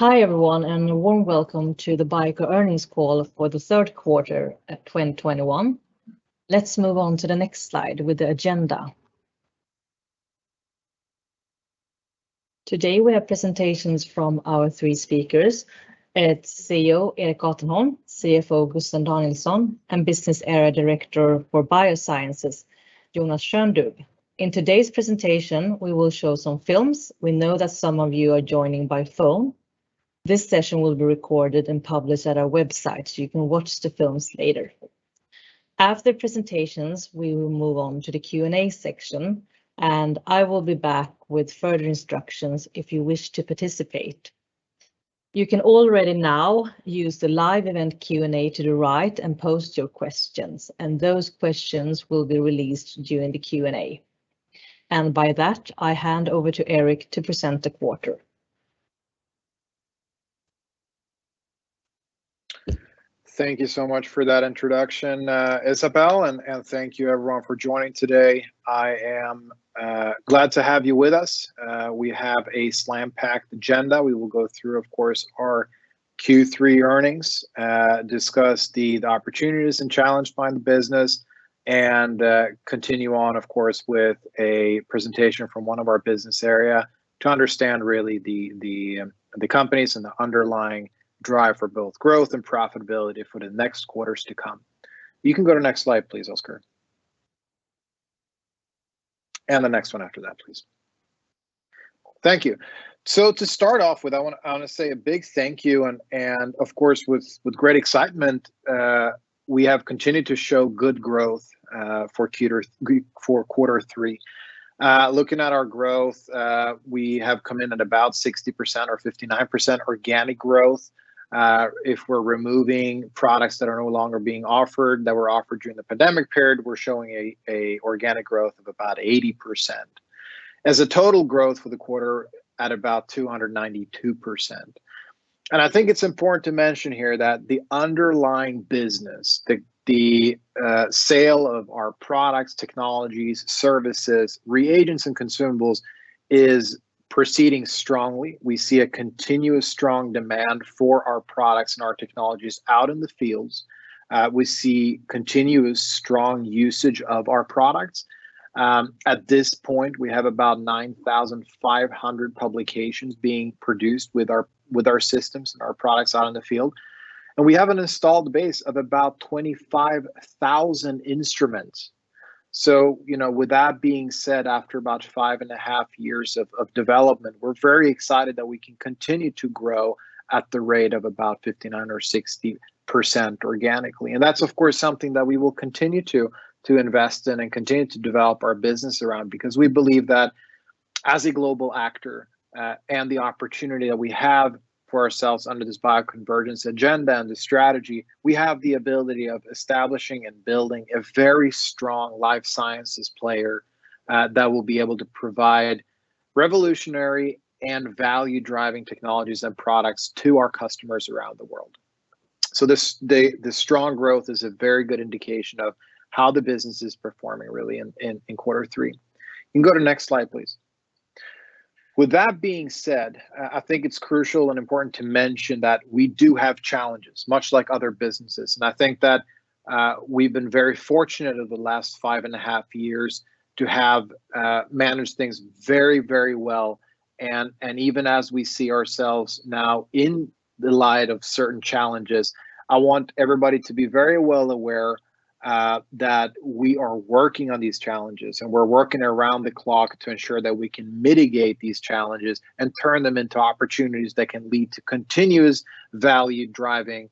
Hi, everyone, and a warm welcome to the BICO earnings call for the third quarter of 2021. Let's move on to the next slide with the agenda. Today we have presentations from our three speakers, our CEO, Erik Gatenholm, CFO, Gusten Danielsson, and Business Area Director for Biosciences, Jonas Schöndube. In today's presentation, we will show some films. We know that some of you are joining by phone. This session will be recorded and published at our website, so you can watch the films later. After the presentations, we will move on to the Q&A section, and I will be back with further instructions if you wish to participate. You can already now use the live-event Q&A to the right and post your questions, and those questions will be released during the Q&A. By that, I hand over to Erik to present the quarter. Thank you so much for that introduction, Isabelle, and thank you everyone for joining today. I am glad to have you with us. We have a jam-packed agenda. We will go through, of course, our Q3 earnings, discuss the opportunities and challenges in the business and continue on, of course, with a presentation from one of our business area to understand really the companies and the underlying drive for both growth and profitability for the next quarters to come. You can go to next slide, please, Oskar. The next one after that, please. Thank you. To start off with, I wanna say a big thank you and, of course, with great excitement, we have continued to show good growth for quarter three. Looking at our growth, we have come in at about 60% or 59% organic growth. If we're removing products that are no longer being offered, that were offered during the pandemic period, we're showing organic growth of about 80%. As a total growth for the quarter at about 292%. I think it's important to mention here that the underlying business, the sale of our products, technologies, services, reagents and consumables is proceeding strongly. We see a continuous strong demand for our products and our technologies out in the fields. We see continuous strong usage of our products. At this point, we have about 9,500 publications being produced with our systems and our products out in the field. We have an installed base of about 25,000 instruments. You know, with that being said, after about five and a half years of development, we're very excited that we can continue to grow at the rate of about 59% or 60% organically. That's of course something that we will continue to invest in and continue to develop our business around because we believe that as a global actor, and the opportunity that we have for ourselves under this bioconvergence agenda and the strategy, we have the ability of establishing and building a very strong life sciences player, that will be able to provide revolutionary and value-driving technologies and products to our customers around the world. The strong growth is a very good indication of how the business is performing really in quarter three. You can go to next slide, please. With that being said, I think it's crucial and important to mention that we do have challenges, much like other businesses. I think that we've been very fortunate over the last five and a half years to have managed things very, very well. Even as we see ourselves now in the light of certain challenges, I want everybody to be very well aware that we are working on these challenges, and we're working around the clock to ensure that we can mitigate these challenges and turn them into opportunities that can lead to continuous value-driving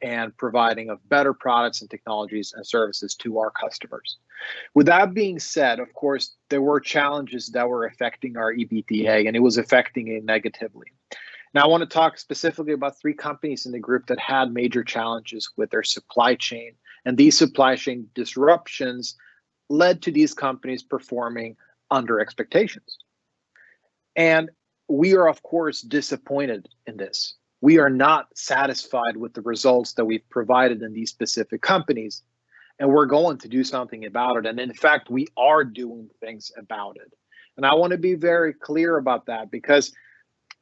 and providing of better products and technologies and services to our customers. With that being said, of course, there were challenges that were affecting our EBITDA, and it was affecting it negatively. Now, I wanna talk specifically about three companies in the group that had major challenges with their supply chain, and these supply chain disruptions led to these companies performing under expectations. We are, of course, disappointed in this. We are not satisfied with the results that we've provided in these specific companies, and we're going to do something about it. In fact, we are doing things about it. I wanna be very clear about that because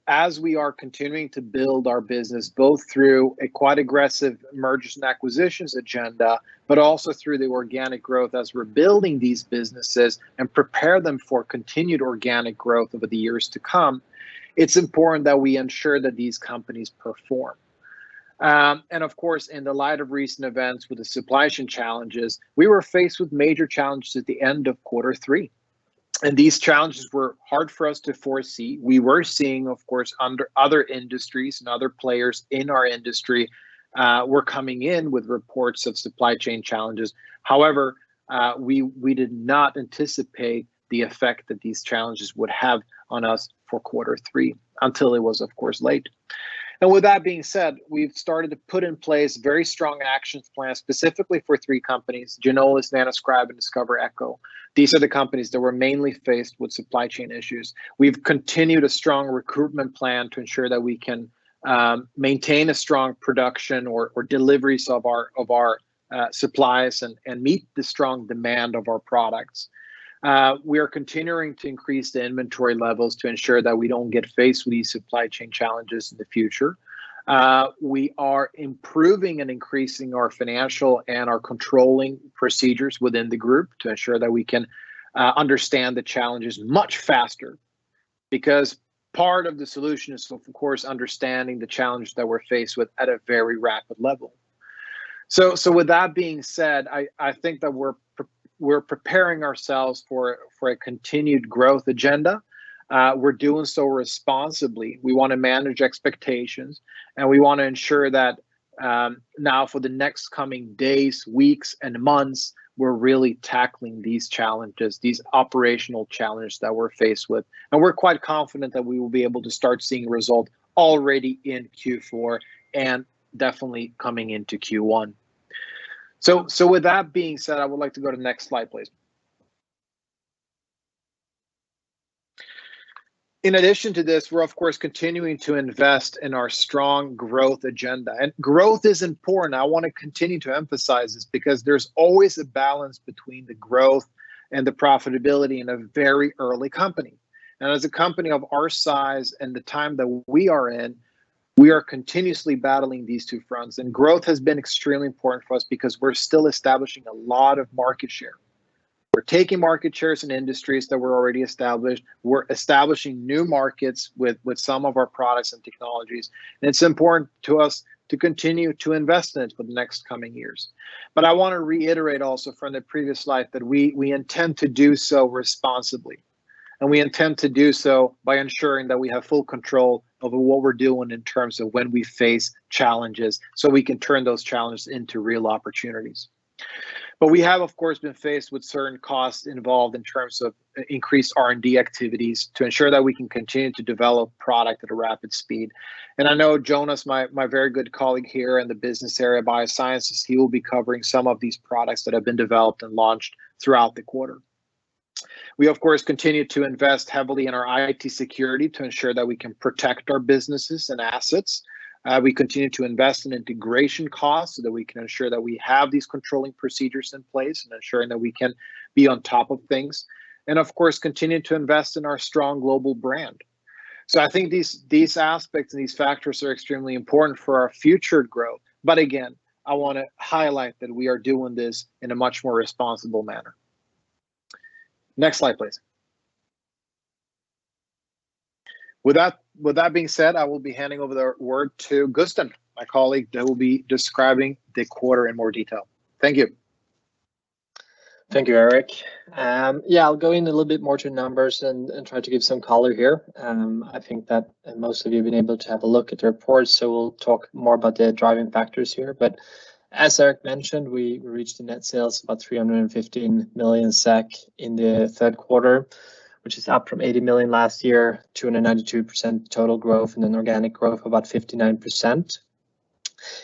as we are continuing to build our business, both through a quite aggressive mergers and acquisitions agenda, but also through the organic growth as we're building these businesses and prepare them for continued organic growth over the years to come, it's important that we ensure that these companies perform. Of course, in the light of recent events with the supply chain challenges, we were faced with major challenges at the end of quarter three, and these challenges were hard for us to foresee. We were seeing, of course, in other industries and other players in our industry were coming in with reports of supply chain challenges. However, we did not anticipate the effect that these challenges would have on us for quarter three until it was of course late. With that being said, we've started to put in place very strong action plan specifically for three companies, Ginolis, Nanoscribe, and Discover Echo. These are the companies that were mainly faced with supply chain issues. We've continued a strong recruitment plan to ensure that we can maintain a strong production or deliveries of our supplies and meet the strong demand of our products. We are continuing to increase the inventory levels to ensure that we don't get faced with these supply chain challenges in the future. We are improving and increasing our financial and our controlling procedures within the group to ensure that we can understand the challenges much faster, because part of the solution is of course understanding the challenge that we're faced with at a very rapid level. With that being said, I think that we're preparing ourselves for a continued growth agenda. We're doing so responsibly. We wanna manage expectations, and we wanna ensure that, now for the next coming days, weeks, and months, we're really tackling these challenges, these operational challenges that we're faced with. We're quite confident that we will be able to start seeing result already in Q4, and definitely coming into Q1. With that being said, I would like to go to the next slide, please. In addition to this, we're of course continuing to invest in our strong growth agenda. Growth is important. I wanna continue to emphasize this, because there's always a balance between the growth and the profitability in a very early company. As a company of our size and the time that we are in, we are continuously battling these two fronts, and growth has been extremely important for us because we're still establishing a lot of market share. We're taking market shares in industries that we're already established. We're establishing new markets with some of our products and technologies, and it's important to us to continue to invest in it for the next coming years. I wanna reiterate also from the previous slide that we intend to do so responsibly, and we intend to do so by ensuring that we have full control over what we're doing in terms of when we face challenges, so we can turn those challenges into real opportunities. We have of course been faced with certain costs involved in terms of increased R&D activities to ensure that we can continue to develop product at a rapid speed. I know Jonas, my very good colleague here in the business area Biosciences, he will be covering some of these products that have been developed and launched throughout the quarter. We of course continue to invest heavily in our IT security to ensure that we can protect our businesses and assets. We continue to invest in integration costs so that we can ensure that we have these controlling procedures in place, and ensuring that we can be on top of things, and of course, continue to invest in our strong global brand. I think these aspects and these factors are extremely important for our future growth. Again, I wanna highlight that we are doing this in a much more responsible manner. Next slide, please. With that being said, I will be handing over the word to Gusten, my colleague, that will be describing the quarter in more detail. Thank you. Thank you, Erik. I'll go in a little bit more to numbers and try to give some color here. I think that most of you have been able to have a look at the report, so we'll talk more about the driving factors here. As Erik mentioned, we reached net sales of 315 million SEK in the third quarter, which is up from 80 million last year, 292% total growth, and an organic growth of about 59%.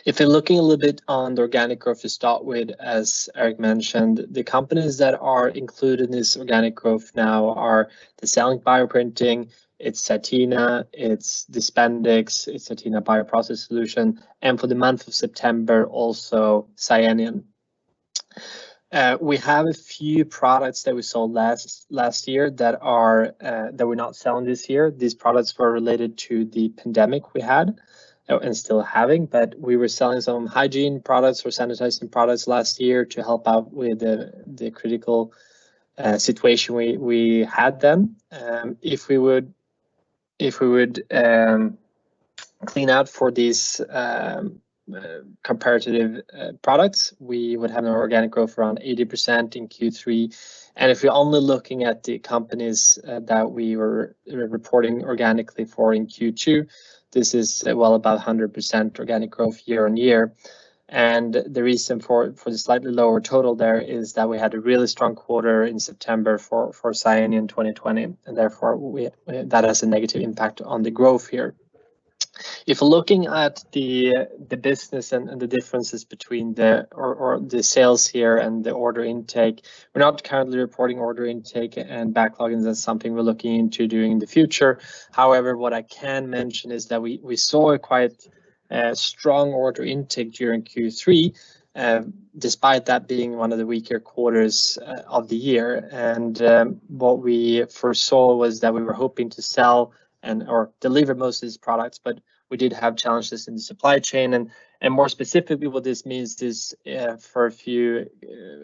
If you're looking a little bit on the organic growth to start with, as Erik mentioned, the companies that are included in this organic growth now are the CELLINK Bioprinting, it's CYTENA, it's the DISPENDIX, it's CYTENA Bioprocess Solutions, and for the month of September, also Cellenion. We have a few products that we sold last year that we're not selling this year. These products were related to the pandemic we had and still having. We were selling some hygiene products or sanitizing products last year to help out with the critical situation we had then. If we would clean out for these comparative products, we would have an organic growth around 80% in Q3. If you're only looking at the companies that we were reporting organically for in Q2, this is well about 100% organic growth year-on-year. The reason for the slightly lower total there is that we had a really strong quarter in September for Cellenion in 2020, and therefore that has a negative impact on the growth here. If looking at the business and the differences between the sales here and the order intake, we're not currently reporting order intake and backlogs. That's something we're looking into doing in the future. However, what I can mention is that we saw a quite strong order intake during Q3, despite that being one of the weaker quarters of the year. What we first saw was that we were hoping to sell and/or deliver most of these products, but we did have challenges in the supply chain and more specifically what this means is for a few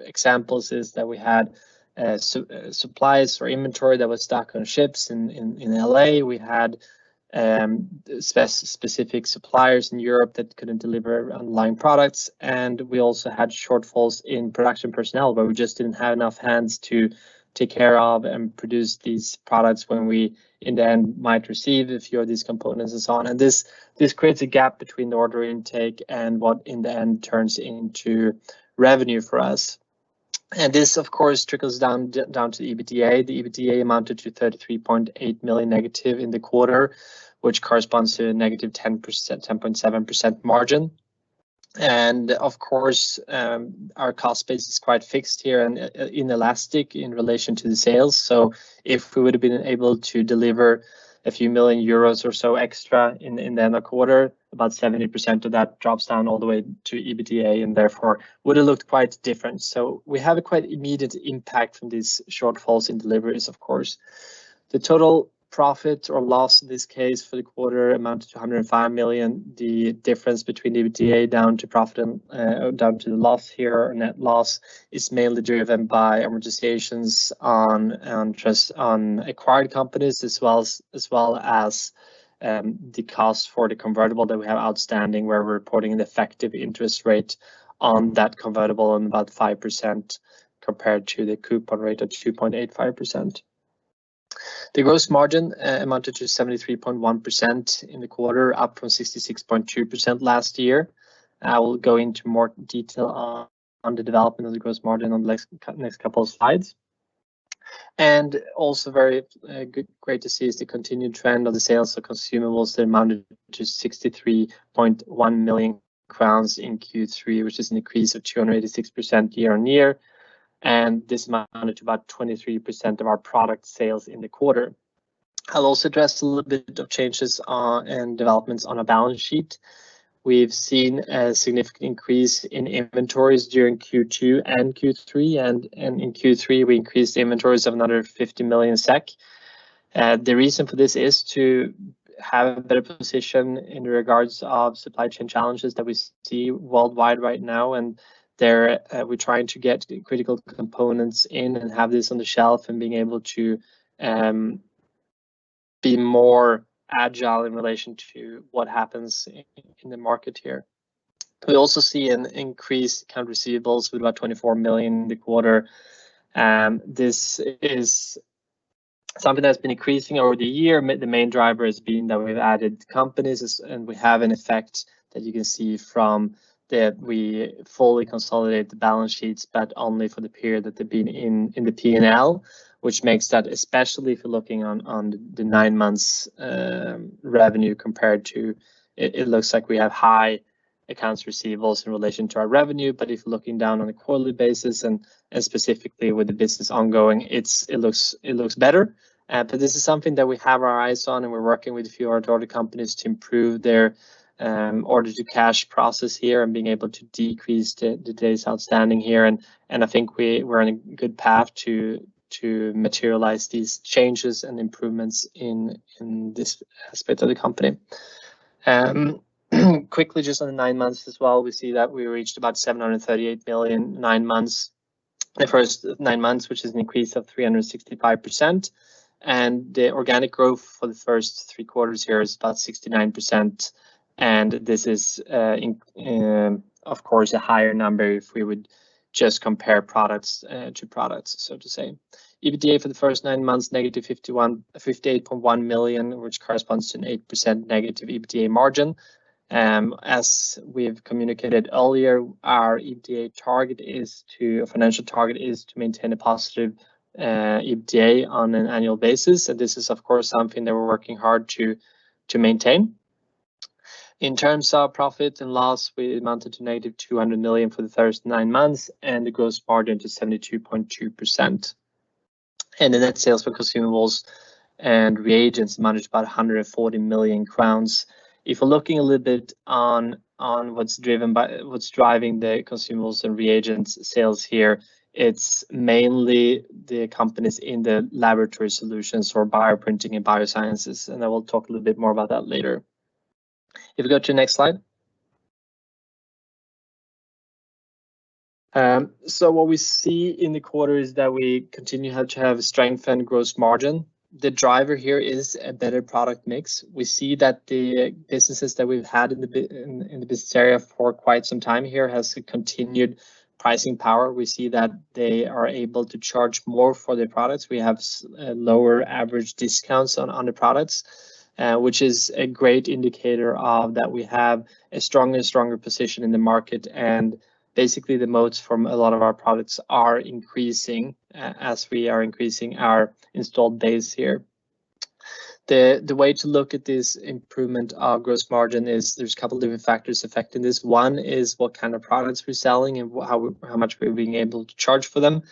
examples is that we had supplies or inventory that was stuck on ships in L.A. We had specific suppliers in Europe that couldn't deliver on-line products, and we also had shortfalls in production personnel, where we just didn't have enough hands to take care of and produce these products when we in the end might receive a few of these components and so on. This creates a gap between the order intake and what in the end turns into revenue for us. This of course trickles down to the EBITDA. The EBITDA amounted to -33.8 million in the quarter, which corresponds to a -10.7% margin. Of course, our cost base is quite fixed here and inelastic in relation to the sales. If we would've been able to deliver a few million euros extra in the quarter, about 70% of that drops down all the way to EBITDA, and therefore would have looked quite different. We have a quite immediate impact from these shortfalls in deliveries, of course. The total profit or loss in this case for the quarter amounted to -105 million. The difference between the EBITDA down to profit and down to the loss here, or net loss, is mainly driven by amortizations on just acquired companies as well as the cost for the convertible that we have outstanding. We're reporting an effective interest rate on that convertible on about 5% compared to the coupon rate of 2.85%. The gross margin amounted to 73.1% in the quarter, up from 66.2% last year. I will go into more detail on the development of the gross margin on the next couple of slides. Also very great to see is the continued trend of the sales of consumables. They amounted to 63.1 million crowns in Q3, which is an increase of 286% year-on-year, and this amounted to about 23% of our product sales in the quarter. I'll also address a little bit of changes and developments on our balance sheet. We've seen a significant increase in inventories during Q2 and Q3, and in Q3, we increased the inventories by another 50 million SEK. The reason for this is to have a better position in regards to supply chain challenges that we see worldwide right now, and we're trying to get critical components in and have this on the shelf and being able to be more agile in relation to what happens in the market here. We also see increased accounts receivable with about 24 million in the quarter. This is something that's been increasing over the year. The main driver has been that we've added companies, and we have an effect that you can see from the... We fully consolidate the balance sheets but only for the period that they've been in the P&L, which makes that, especially if you're looking on the nine months revenue compared to. It looks like we have high accounts receivables in relation to our revenue, but if you're looking down on a quarterly basis and specifically with the business ongoing, it looks better. This is something that we have our eyes on, and we're working with a few of our daughter companies to improve their order-to-cash process here and being able to decrease the days outstanding here. I think we're on a good path to materialize these changes and improvements in this aspect of the company. Quickly, just on the nine months as well, we see that we reached about 738 million in the first nine months, which is an increase of 365%. The organic growth for the first three quarters here is about 69%, and this is, of course, a higher number if we would just compare products to products, so to say. EBITDA for the first nine months, -58.1 million, which corresponds to an -8% EBITDA margin. As we have communicated earlier, our EBITDA target is to... Our financial target is to maintain a positive EBITDA on an annual basis, and this is of course something that we're working hard to maintain. In terms of profit and loss, we amounted to negative 200 million for the first nine months, and the gross margin to 72.2%. The net sales for consumables and reagents managed about 140 million crowns. If we're looking a little bit on what's driving the consumables and reagents sales here, it's mainly the companies in the laboratory solutions for bioprinting and biosciences, and I will talk a little bit more about that later. If you go to the next slide. So what we see in the quarter is that we continue to have strengthened gross margin. The driver here is a better product mix. We see that the businesses that we've had in the business area for quite some time here has a continued pricing power. We see that they are able to charge more for their products. We have lower average discounts on the products, which is a great indicator that we have a stronger and stronger position in the market, and basically the moats from a lot of our products are increasing as we are increasing our installed base here. The way to look at this improvement in gross margin is there's a couple different factors affecting this. One is what kind of products we're selling and how much we're being able to charge for them,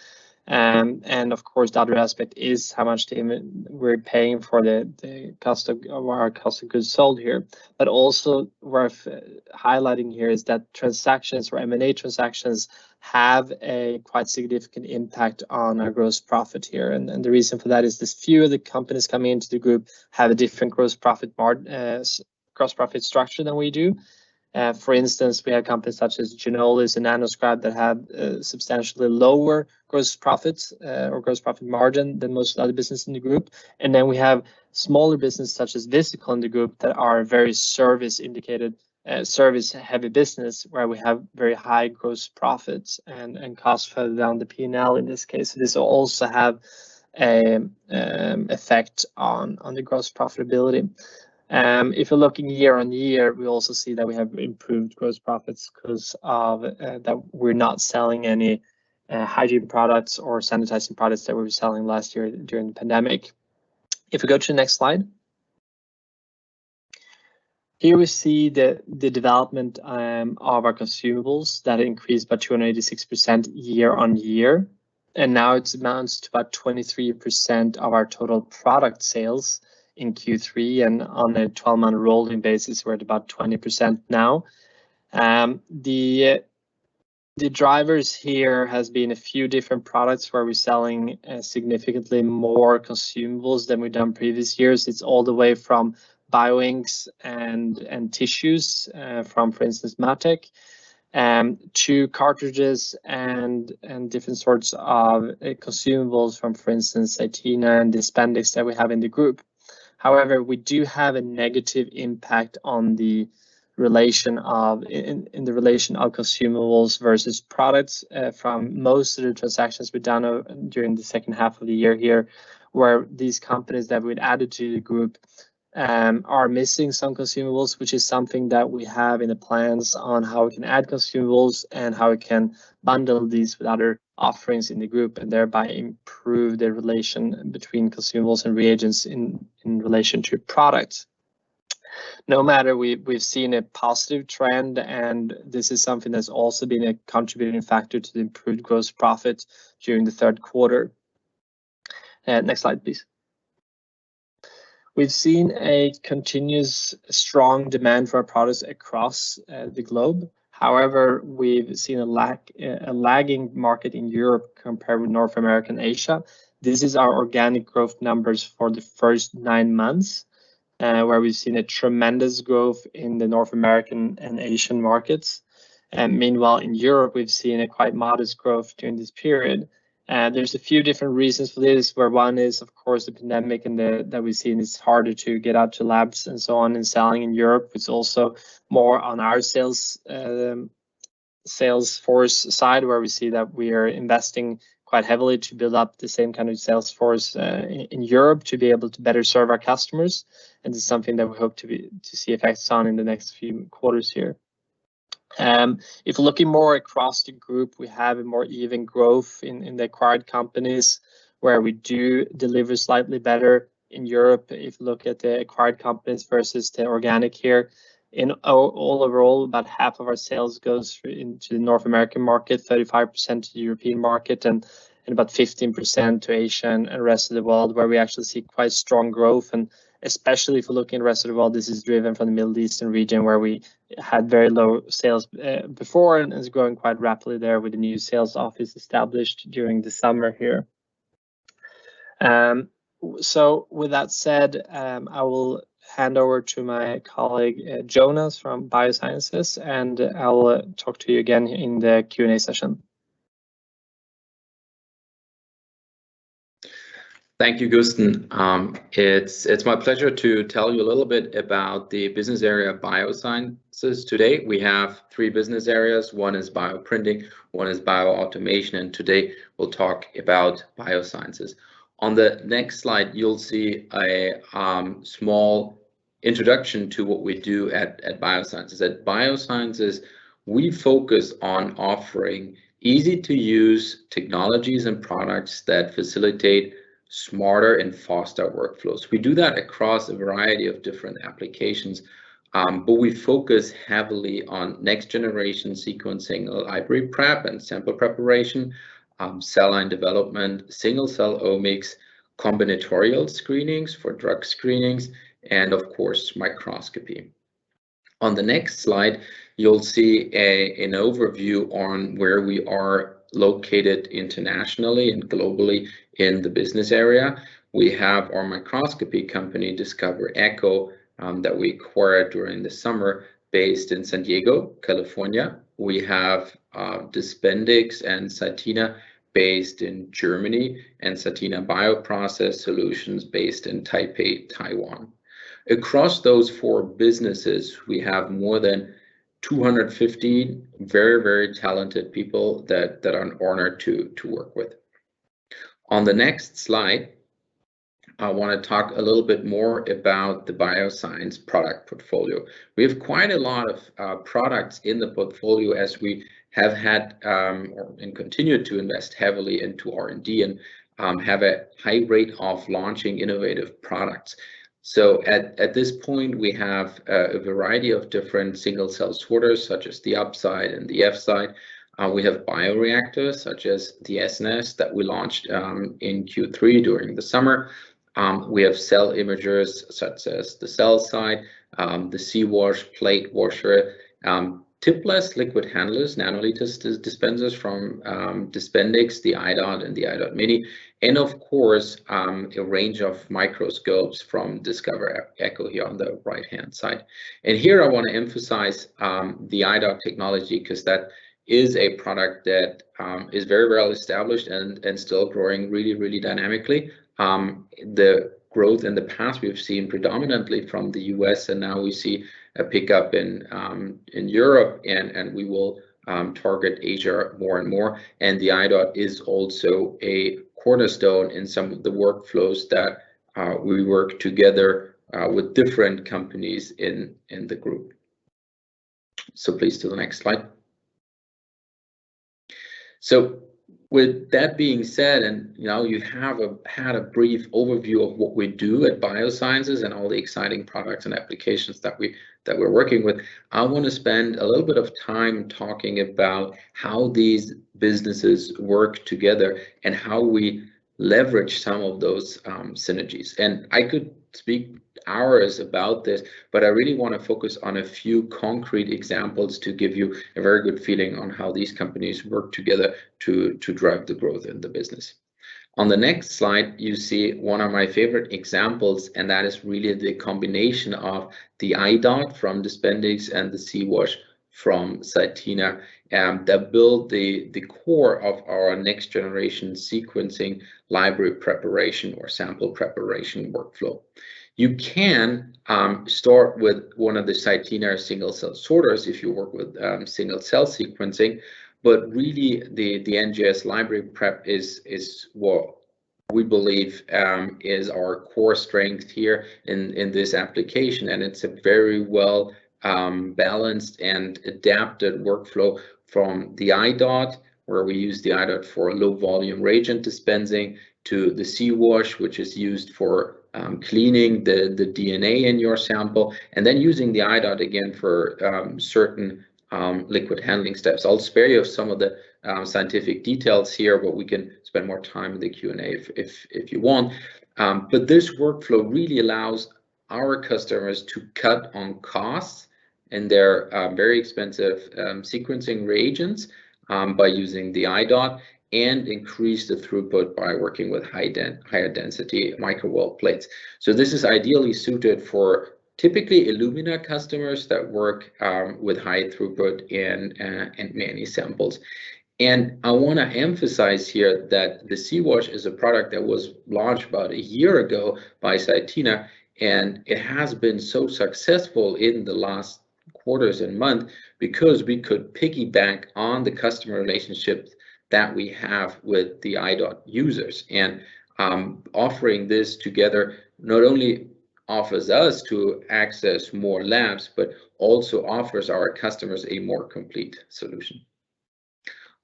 and of course the other aspect is how much we're paying for the cost of our cost of goods sold here. Also worth highlighting here is that transactions or M&A transactions have a quite significant impact on our gross profit here. The reason for that is a few of the companies coming into the group have a different gross profit structure than we do. For instance, we have companies such as Ginolis and Nanoscribe that have substantially lower gross profits or gross profit margin than most other business in the group. Then we have smaller business such as Visikol in the group that are very service-oriented, service-heavy business where we have very high gross profits and costs further down the P&L in this case. This will also have an effect on the gross profitability. If you're looking year-on-year, we also see that we have improved gross profits 'cause of that we're not selling any hygiene products or sanitizing products that we were selling last year during the pandemic. If we go to the next slide. Here we see the development of our consumables that increased by 286% year-on-year, and now it amounts to about 23% of our total product sales in Q3, and on a 12-month rolling basis, we're at about 20% now. The drivers here has been a few different products where we're selling significantly more consumables than we've done in previous years. It's all the way from bioinks and tissues, from, for instance, MatTek, to cartridges and different sorts of consumables from, for instance, CYTENA and DISPENDIX that we have in the group. However, we do have a negative impact on the relation of consumables versus products from most of the transactions we've done during the second half of the year here, where these companies that we've added to the group are missing some consumables, which is something that we have in the plans on how we can add consumables and how we can bundle these with other offerings in the group, and thereby improve the relation between consumables and reagents in relation to products. No matter, we've seen a positive trend, and this is something that's also been a contributing factor to the improved gross profit during the third quarter. Next slide, please. We've seen a continuous strong demand for our products across the globe. However, we've seen a lagging market in Europe compared with North America and Asia. This is our organic growth numbers for the first nine months, where we've seen a tremendous growth in the North American and Asian markets. Meanwhile, in Europe, we've seen a quite modest growth during this period. There's a few different reasons for this, where one is, of course, the pandemic and that we've seen it's harder to get out to labs and so on, and selling in Europe. It's also more on our sales force side, where we see that we are investing quite heavily to build up the same kind of sales force in Europe to be able to better serve our customers. This is something that we hope to see effects on in the next few quarters here. If looking more across the group, we have a more even growth in the acquired companies, where we do deliver slightly better in Europe, if you look at the acquired companies versus the organic here. Overall, about half of our sales goes through into the North American market, 35% to the European market, and about 15% to Asia and the rest of the world, where we actually see quite strong growth, and especially if we look in the rest of the world, this is driven from the Middle Eastern region where we had very low sales before and is growing quite rapidly there with the new sales office established during the summer here. So with that said, I will hand over to my colleague, Jonas from Biosciences, and I'll talk to you again in the Q&A session. Thank you, Gusten. It's my pleasure to tell you a little bit about the business area of Biosciences. Today, we have three business areas. One is Bioprinting, one is Bioautomation, and today we'll talk about Biosciences. On the next slide, you'll see a small introduction to what we do at Biosciences. At Biosciences, we focus on offering easy-to-use technologies and products that facilitate smarter and faster workflows. We do that across a variety of different applications, but we focus heavily on next-generation sequencing, library prep and sample preparation, cell line development, single-cell omics, combinatorial screenings for drug screenings, and of course, microscopy. On the next slide, you'll see an overview on where we are located internationally and globally in the business area. We have our microscopy company, Discover Echo, that we acquired during the summer based in San Diego, California. We have DISPENDIX and CYTENA based in Germany and CYTENA Bioprocess Solutions based in Taipei, Taiwan. Across those four businesses, we have more than 250 very talented people that I'm honored to work with. On the next slide, I wanna talk a little bit more about the Biosciences product portfolio. We have quite a lot of products in the portfolio as we have had and continue to invest heavily into R&D and have a high rate of launching innovative products. At this point, we have a variety of different single-cell sorters, such as the UP.SIGHT and the F.SIGHT. We have bioreactors such as the S.NEST that we launched in Q3 during the summer. We have cell imagers such as the CELLCYTE, the C.WASH plate washer, tipless liquid handlers, nanoliter dispensers from DISPENDIX, the I.DOT and the I.DOT Mini, and of course, a range of microscopes from Discover Echo here on the right-hand side. Here I wanna emphasize the I.DOT technology 'cause that is a product that is very well established and still growing really, really dynamically. The growth in the past we've seen predominantly from the U.S., and now we see a pickup in Europe and we will target Asia more and more. The I.DOT is also a cornerstone in some of the workflows that we work together with different companies in the group. Please to the next slide. With that being said, you know, you had a brief overview of what we do at Biosciences and all the exciting products and applications that we're working with. I wanna spend a little bit of time talking about how these businesses work together and how we leverage some of those synergies. I could speak hours about this, but I really wanna focus on a few concrete examples to give you a very good feeling on how these companies work together to drive the growth in the business. On the next slide, you see one of my favorite examples, and that is really the combination of the I.DOT from DISPENDIX and the C.WASH from CYTENA that build the core of our next-generation sequencing library preparation or sample preparation workflow. You can start with one of the CYTENA single-cell sorters if you work with single-cell sequencing. Really the NGS library prep is what we believe is our core strength here in this application, and it's a very well balanced and adapted workflow from the I.DOT, where we use the I.DOT for low volume reagent dispensing to the C.WASH, which is used for cleaning the DNA in your sample. Then using the I.DOT again for certain liquid handling steps. I'll spare you of some of the scientific details here, but we can spend more time in the Q&A if you want. This workflow really allows our customers to cut on costs in their very expensive sequencing reagents by using the I.DOT, and increase the throughput by working with higher density microwell plates. This is ideally suited for typically Illumina customers that work with high throughput and many samples. I wanna emphasize here that the C.WASH is a product that was launched about a year ago by CYTENA, and it has been so successful in the last quarters and month because we could piggyback on the customer relationships that we have with the I.DOT users. Offering this together not only offers us to access more labs, but also offers our customers a more complete solution.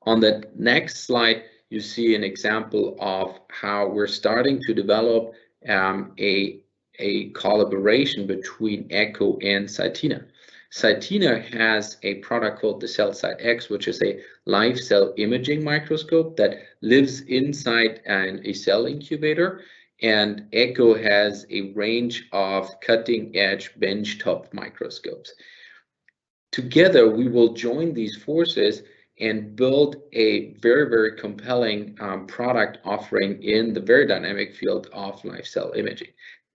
On the next slide you see an example of how we're starting to develop a collaboration between Echo and CYTENA. CYTENA has a product called the CELLCYTE X, which is a live cell imaging microscope that lives inside a cell incubator, and Discover Echo has a range of cutting-edge benchtop microscopes. Together, we will join these forces and build a very compelling product offering in the very dynamic field of live cell imaging.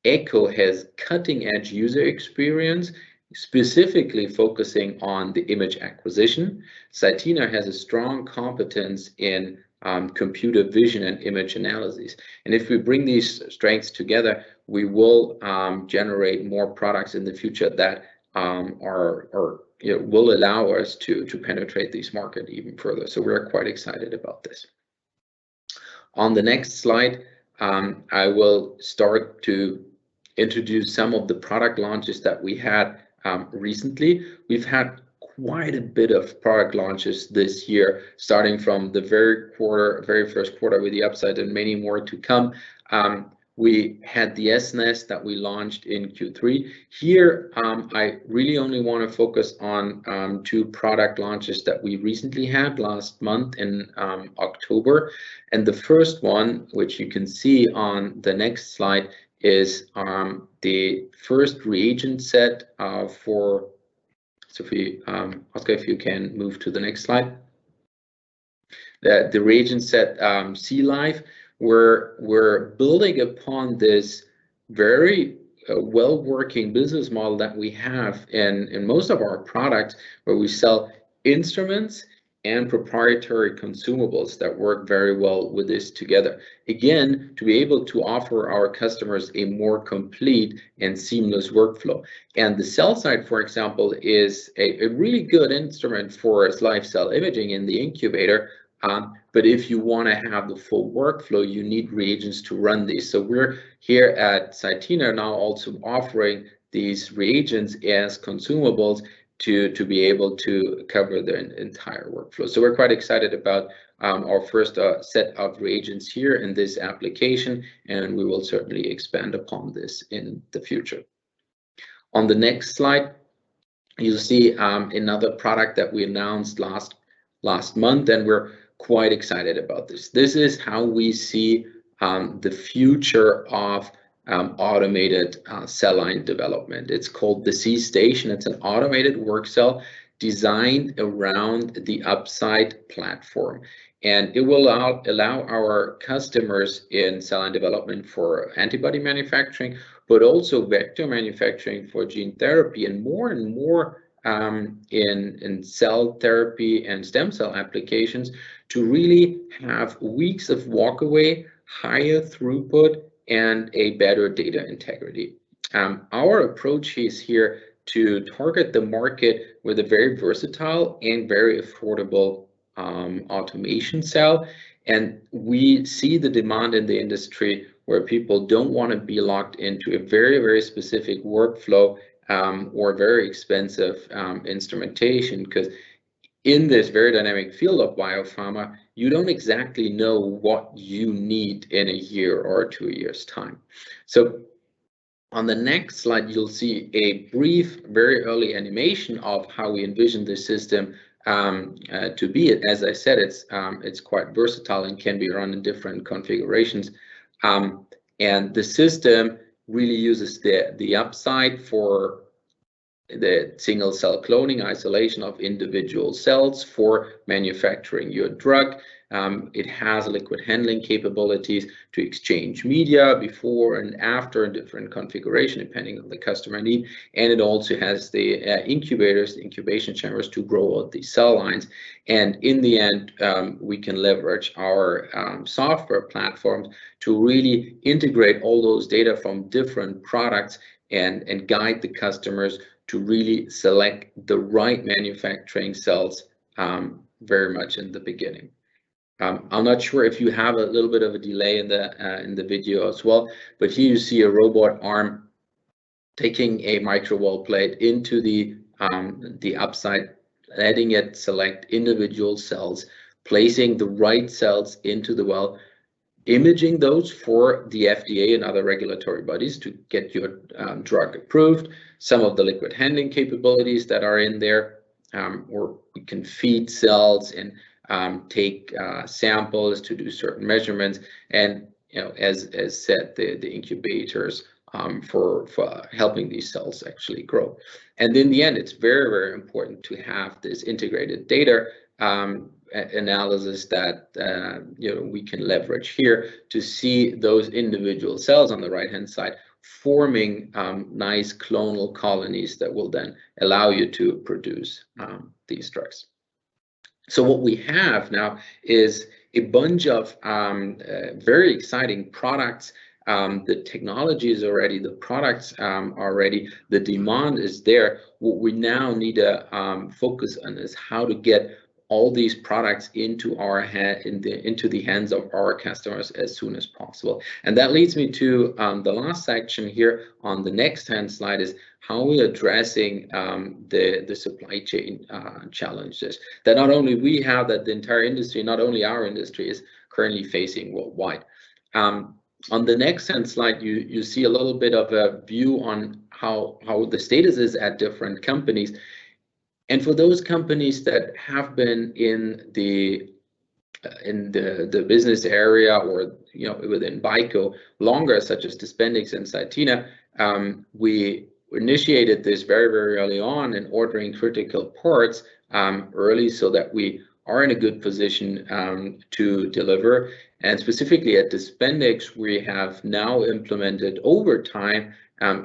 Discover Echo has cutting-edge user experience, specifically focusing on the image acquisition. CYTENA has a strong competence in computer vision and image analysis. If we bring these strengths together, we will generate more products in the future that, you know, will allow us to penetrate this market even further. We're quite excited about this. On the next slide, I will start to introduce some of the product launches that we had recently. We've had quite a bit of product launches this year, starting from the very first quarter with the UP.SIGHT and many more to come. We had the S.NEST that we launched in Q3. Here, I really only wanna focus on two product launches that we recently had last month in October. The first one, which you can see on the next slide, is the first reagent set. Sophie, Oskar, if you can move to the next slide. The reagent set, C.LIVE, we're building upon this very well-working business model that we have in most of our products where we sell instruments and proprietary consumables that work very well with this together. Again, to be able to offer our customers a more complete and seamless workflow. The CELLCYTE X, for example, is a really good instrument for live cell imaging in the incubator. If you wanna have the full workflow, you need reagents to run this. We're here at CYTENA now also offering these reagents as consumables to be able to cover the entire workflow. We're quite excited about our first set of reagents here in this application, and we will certainly expand upon this in the future. On the next slide, you'll see another product that we announced last month, and we're quite excited about this. This is how we see the future of automated cell line development. It's called the C.STATION. It's an automated workcell designed around the UP.SIGHT platform, and it will allow our customers in cell line development for antibody manufacturing, but also vector manufacturing for gene therapy, and more and more, in cell therapy and stem cell applications to really have weeks of walk away, higher throughput, and a better data integrity. Our approach is here to target the market with a very versatile and very affordable, automation cell. We see the demand in the industry where people don't wanna be locked into a very, very specific workflow, or very expensive, instrumentation. 'Cause in this very dynamic field of biopharma, you don't exactly know what you need in a year or two years' time. On the next slide, you'll see a brief, very early animation of how we envision this system, to be. As I said, it's quite versatile and can be run in different configurations. The system really uses the UP.SIGHT for the single cell cloning isolation of individual cells for manufacturing your drug. It has liquid handling capabilities to exchange media before and after different configuration, depending on the customer need. It also has the incubators, the incubation chambers to grow out the cell lines. In the end, we can leverage our software platforms to really integrate all those data from different products and guide the customers to really select the right manufacturing cells, very much in the beginning. I'm not sure if you have a little bit of a delay in the video as well. Here you see a robot arm taking a microwell plate into the UP.SIGHT, letting it select individual cells, placing the right cells into the well, imaging those for the FDA and other regulatory bodies to get your drug approved. Some of the liquid handling capabilities that are in there, or we can feed cells and take samples to do certain measurements and, you know, as said, the incubators for helping these cells actually grow. In the end, it's very, very important to have this integrated data analysis that, you know, we can leverage here to see those individual cells on the right-hand side forming nice clonal colonies that will then allow you to produce these drugs. What we have now is a bunch of very exciting products. The technology is already, the products are ready, the demand is there. What we now need to focus on is how to get all these products into our hand, into the hands of our customers as soon as possible. That leads me to the last section here on the next slide, how we're addressing the supply chain challenges that not only we have, that the entire industry, not only our industry is currently facing worldwide. On the next slide, you see a little bit of a view on how the status is at different companies. For those companies that have been in the business area or, you know, within BICO longer, such as DISPENDIX and CYTENA, we initiated this very early on in ordering critical parts early so that we are in a good position to deliver. Specifically at DISPENDIX, we have now implemented over time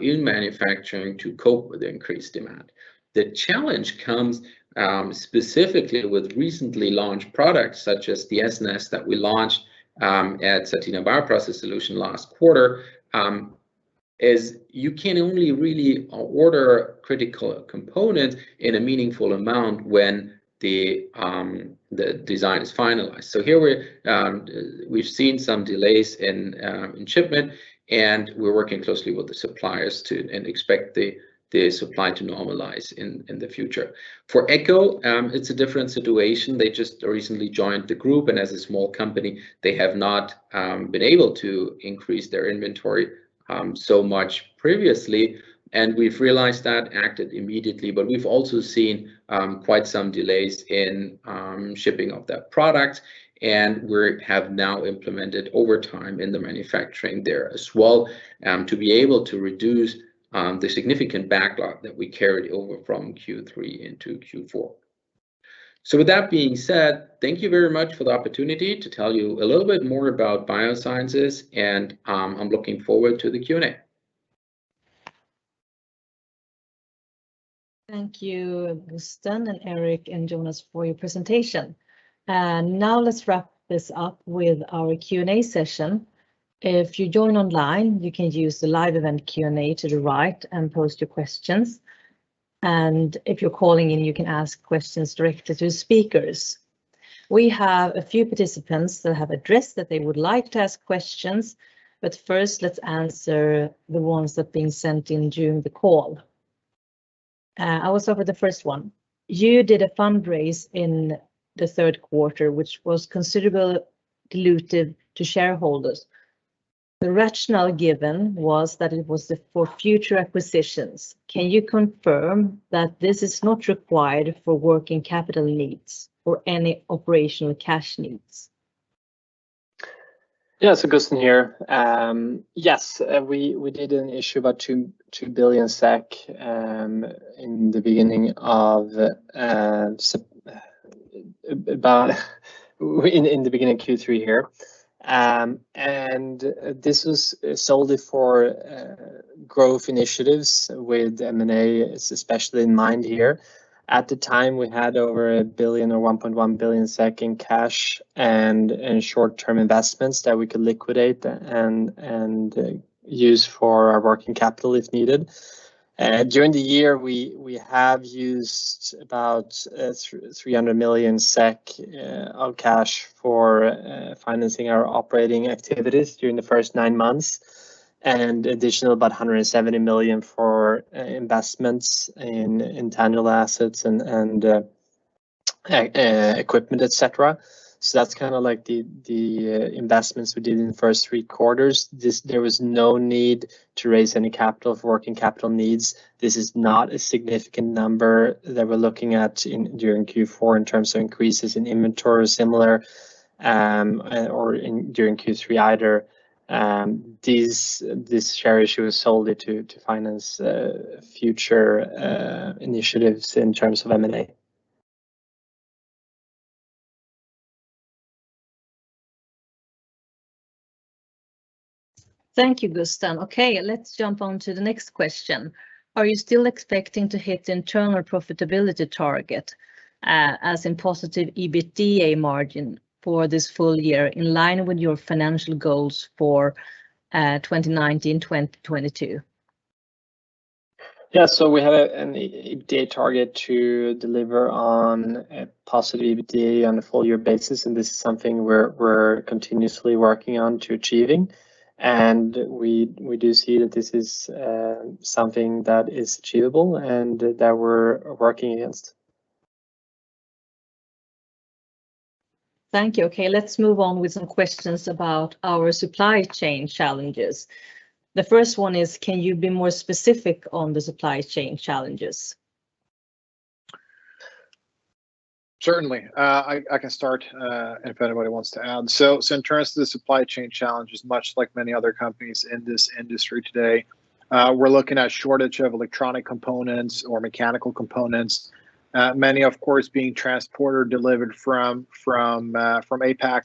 in manufacturing to cope with increased demand. The challenge comes specifically with recently launched products such as the S.NEST that we launched at CYTENA Bioprocess Solutions last quarter, is you can only really order critical components in a meaningful amount when the design is finalized. So here we've seen some delays in shipment, and we're working closely with the suppliers and expect the supply to normalize in the future. For Echo, it's a different situation. They just recently joined the group, and as a small company, they have not been able to increase their inventory so much previously, and we've realized that and acted immediately. We've also seen quite some delays in shipping of that product. We have now implemented overtime in the manufacturing there as well to be able to reduce the significant backlog that we carried over from Q3 into Q4. With that being said, thank you very much for the opportunity to tell you a little bit more about Biosciences, and I'm looking forward to the Q&A. Thank you, Gusten and Erik and Jonas for your presentation. Now let's wrap this up with our Q&A session. If you join online, you can use the live-event Q&A to the right and post your questions. If you're calling in, you can ask questions directly to speakers. We have a few participants that have addressed that they would like to ask questions, but first, let's answer the ones that have been sent in during the call. I will start with the first one. You did a fundraise in the third quarter, which was considerable dilutive to shareholders. The rationale given was that it was for future acquisitions. Can you confirm that this is not required for working capital needs or any operational cash needs? Gusten here. Yes, we did an issue of 2 billion SEK in the beginning of Q3. This was solely for growth initiatives with M&A especially in mind. At the time, we had over a billion or 1.1 billion in cash and in short-term investments that we could liquidate and use for our working capital if needed. During the year, we have used about 300 million SEK of cash for financing our operating activities during the first nine months and additional about 170 million for investments in intangible assets and equipment, et cetera. That's kind of like the investments we did in the first three quarters. This, there was no need to raise any capital for working capital needs. This is not a significant number that we're looking at in during Q4 in terms of increases in inventory similar or in during Q3 either. This share issue was solely to finance future initiatives in terms of M&A. Thank you, Gusten. Okay, let's jump on to the next question. Are you still expecting to hit internal profitability target, as in positive EBITDA margin for this full year in line with your financial goals for 2019-2022? Yeah, we had an EBITDA target to deliver on a positive EBITDA on a full year basis, and this is something we're continuously working on to achieving. We do see that this is something that is achievable, and that we're working against. Thank you. Okay, let's move on with some questions about our supply chain challenges. The first one is, can you be more specific on the supply chain challenges? Certainly. I can start, and if anybody wants to add. In terms of the supply chain challenges much like many other companies in this industry today, we're looking at shortage of electronic components or mechanical components. Many of course being transported or delivered from APAC,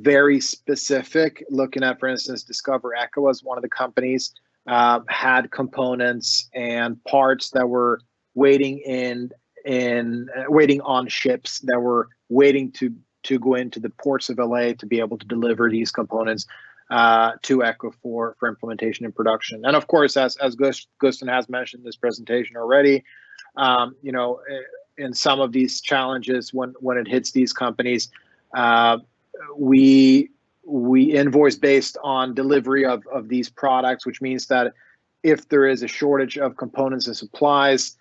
very specific looking at, for instance, Discover Echo as one of the companies, had components and parts that were waiting on ships that were waiting to go into the ports of L.A. to be able to deliver these components to Echo for implementation and production. Of course, as Gusten has mentioned in this presentation already, you know, in some of these challenges when it hits these companies, we invoice based on delivery of these products, which means that if there is a shortage of components and supplies,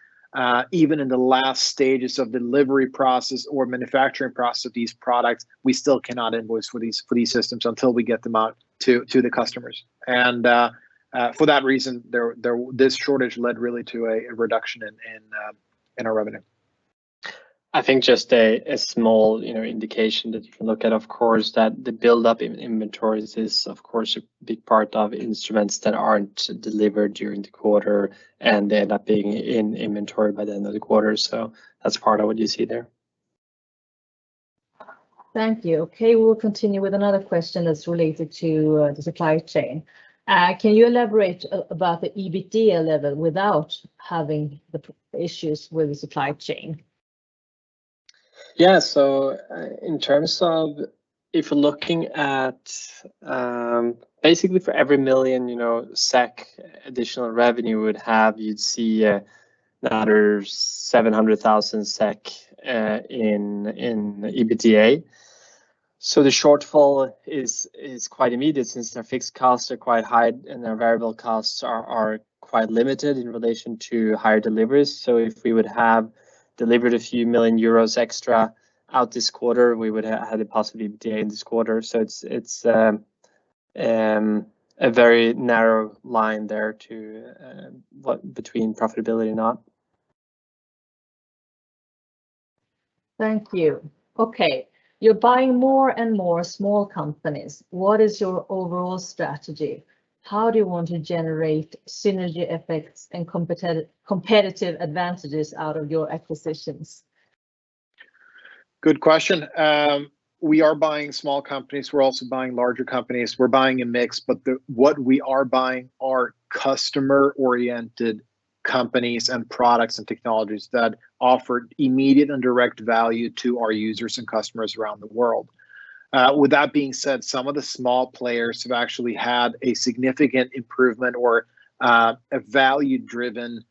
even in the last stages of delivery process or manufacturing process of these products, we still cannot invoice for these systems until we get them out to the customers. For that reason, this shortage led really to a reduction in our revenue. I think just a small, you know, indication that you can look at, of course, that the buildup in inventories is of course a big part of instruments that aren't delivered during the quarter, and they end up being in inventory by the end of the quarter. That's part of what you see there. Thank you. Okay. We'll continue with another question that's related to the supply chain. Can you elaborate about the EBITDA level without having the issues with the supply chain? Yeah. In terms of if we're looking at basically for every 1 million, you know, additional revenue, you'd see another 700,000 SEK in EBITDA. The shortfall is quite immediate since their fixed costs are quite high and their variable costs are quite limited in relation to higher deliveries. If we would have delivered a few million euros extra in this quarter, we would have had a positive EBITDA in this quarter. It's a very narrow line there to walk between profitability or not. Thank you. Okay. You're buying more and more small companies. What is your overall strategy? How do you want to generate synergy effects and competitive advantages out of your acquisitions? Good question. We are buying small companies. We're also buying larger companies. We're buying a mix, but what we are buying are customer-oriented companies and products and technologies that offer immediate and direct value to our users and customers around the world. With that being said, some of the small players have actually had a significant improvement or a value-driven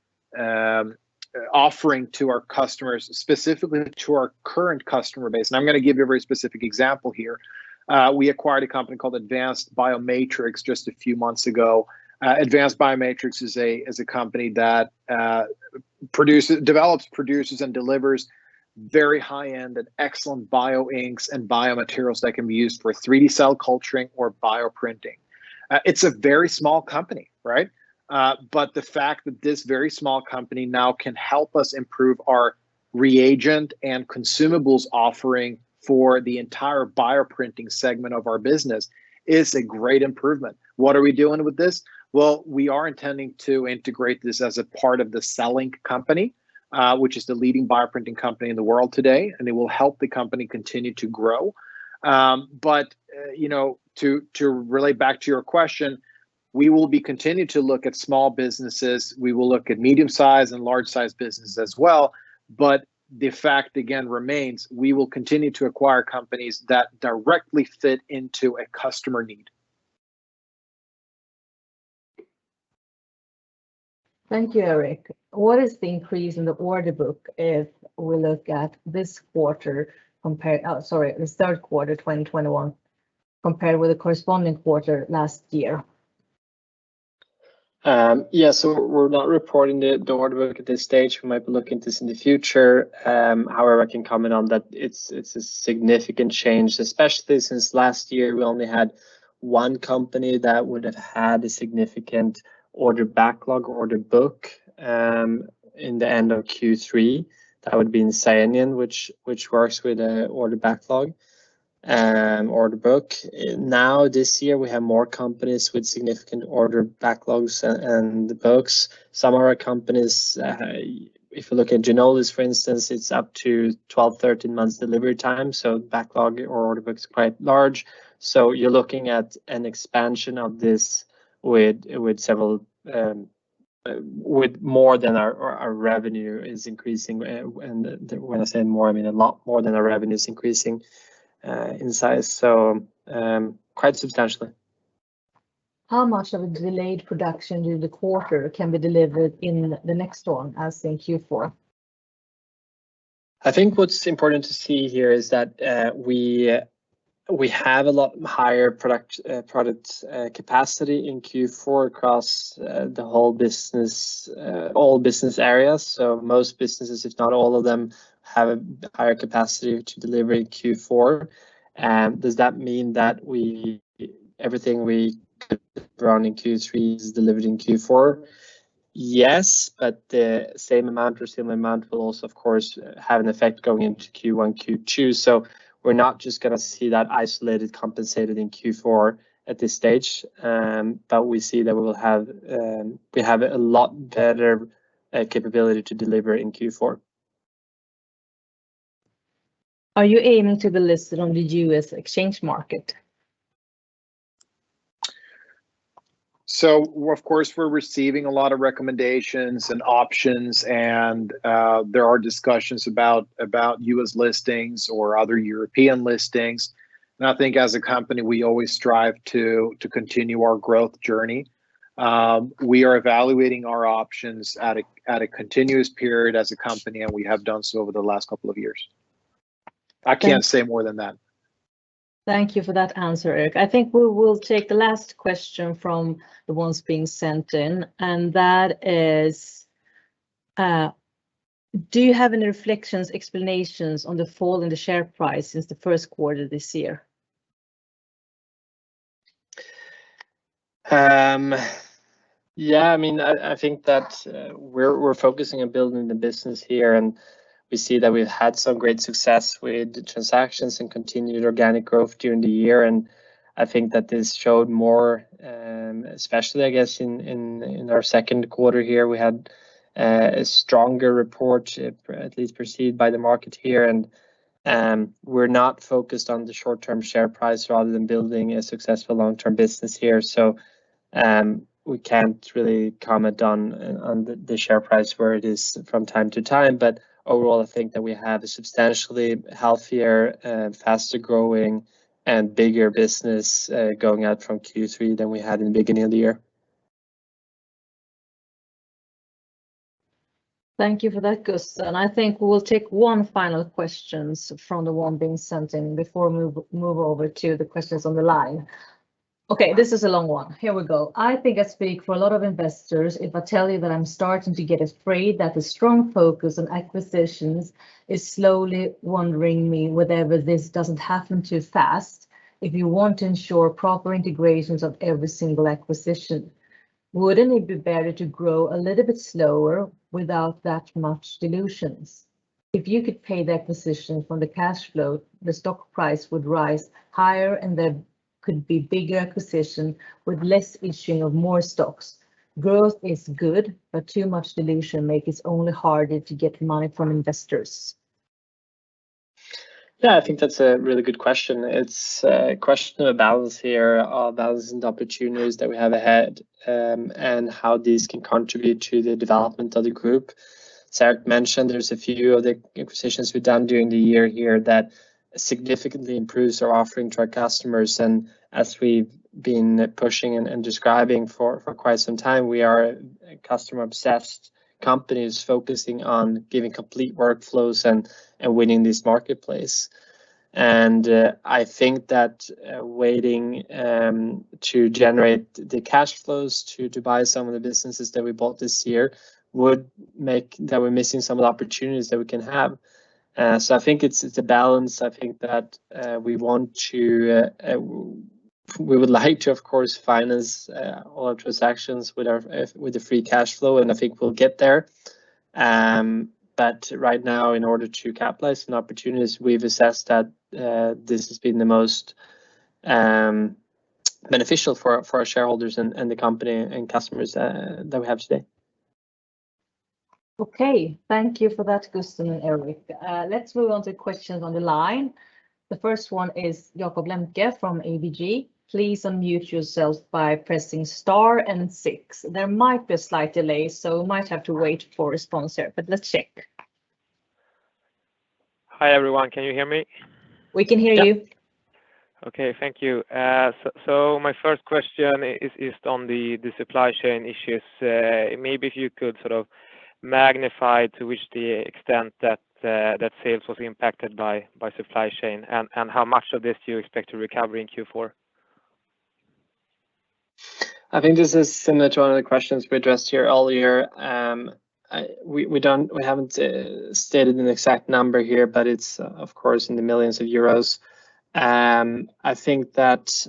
offering to our customers, specifically to our current customer base. I'm gonna give you a very specific example here. We acquired a company called Advanced BioMatrix just a few months ago. Advanced BioMatrix is a company that develops, produces, and delivers very high-end and excellent bioinks and biomaterials that can be used for 3D cell culturing or bioprinting. It's a very small company, right? The fact that this very small company now can help us improve our reagent and consumables offering for the entire bioprinting segment of our business is a great improvement. What are we doing with this? Well, we are intending to integrate this as a part of the selling company, which is the leading bioprinting company in the world today, and it will help the company continue to grow. You know, to relate back to your question, we will be continuing to look at small businesses. We will look at medium-sized and large-sized businesses as well. The fact again remains, we will continue to acquire companies that directly fit into a customer need. Thank you, Erik. What is the increase in the order book if we look at the third quarter 2021 compared with the corresponding quarter last year? Yeah, we're not reporting the order book at this stage. We might be looking at this in the future. However, I can comment on that it's a significant change, especially since last year we only had one company that would have had a significant order backlog or order book in the end of Q3. That would be in Cellenion, which works with an order backlog, order book. Now this year we have more companies with significant order backlogs and the books. Some of our companies, if you look at Ginolis, for instance, it's up to 12, 13 months delivery time, so backlog or order book's quite large. You're looking at an expansion of this with several, with more than our revenue is increasing. When I say more, I mean a lot more than our revenue is increasing in size. Quite substantially. How much of a delayed production during the quarter can be delivered in the next one as in Q4? I think what's important to see here is that we have a lot higher product capacity in Q4 across the whole business, all business areas. Most businesses, if not all of them, have a higher capacity to deliver in Q4. Does that mean that everything we could run in Q3 is delivered in Q4? Yes, but the same amount or similar amount will also, of course, have an effect going into Q1, Q2. We're not just gonna see that isolated compensated in Q4 at this stage. We see that we have a lot better capability to deliver in Q4. Are you aiming to be listed on the U.S. exchange market? Of course, we're receiving a lot of recommendations and options, and there are discussions about U.S. listings or other European listings. I think as a company, we always strive to continue our growth journey. We are evaluating our options at a continuous period as a company, and we have done so over the last couple of years. I can't say more than that. Thank you for that answer, Erik. I think we will take the last question from the ones being sent in, and that is, do you have any reflections, explanations on the fall in the share price since the first quarter this year? Yeah, I mean, I think that we're focusing on building the business here, and we see that we've had some great success with transactions and continued organic growth during the year, and I think that this showed more, especially, I guess in our second quarter here. We had a stronger report, at least perceived by the market here, and we're not focused on the short-term share price rather than building a successful long-term business here. We can't really comment on the share price where it is from time to time. Overall, I think that we have a substantially healthier, faster growing and bigger business going out from Q3 than we had in the beginning of the year. Thank you for that, Gusten. I think we'll take one final question from the one being sent in before we move over to the questions on the line. Okay, this is a long one. Here we go. I think I speak for a lot of investors if I tell you that I'm starting to get afraid that the strong focus on acquisitions is slowly making me wonder whether this isn't happening too fast. If you want to ensure proper integration of every single acquisition, wouldn't it be better to grow a little bit slower without that much dilution? If you could pay for the acquisition from the cash flow, the stock price would rise higher, and there could be bigger acquisitions with less issuing of more stocks. Growth is good, but too much dilution makes it only harder to get money from investors. Yeah, I think that's a really good question. It's a question of balance here, balance and opportunities that we have ahead, and how these can contribute to the development of the group. As Erik mentioned, there's a few of the acquisitions we've done during the year here that significantly improves our offering to our customers. As we've been pushing and describing for quite some time, we are a customer-obsessed company focusing on giving complete workflows and winning this marketplace. I think that waiting to generate the cash flows to buy some of the businesses that we bought this year would mean that we're missing some of the opportunities that we can have. I think it's a balance. I think that we would like to, of course, finance all our transactions with our free cash flow, and I think we'll get there. Right now, in order to capitalize on opportunities, we've assessed that this has been the most beneficial for our shareholders and the company and customers that we have today. Okay. Thank you for that, Gusten and Erik. Let's move on to questions on the line. The first one is Jakob Lembke from ABG. Please unmute yourself by pressing star and six. There might be a slight delay, so we might have to wait for a second, but let's check. Hi, everyone. Can you hear me? We can hear you. Okay. Thank you. My first question is on the supply chain issues. Maybe if you could sort of quantify the extent to which sales was impacted by supply chain, and how much of this do you expect to recover in Q4? I think this is similar to one of the questions we addressed here earlier. We haven't stated an exact number here, but it's of course in the millions of euros. I think that